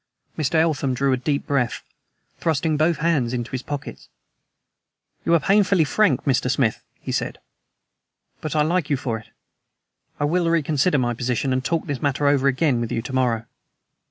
Mr. Eltham drew a deep breath, thrusting both hands in his pockets. "You are painfully frank, Mr. Smith," he said; "but I like you for it. I will reconsider my position and talk this matter over again with you to morrow."